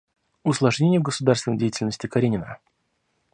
Усложнение в государственной деятельности Каренина.